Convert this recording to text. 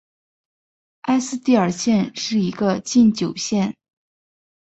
埃斯蒂尔县是一个禁酒县。